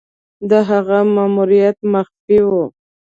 د هغه ماموریت مخفي وو.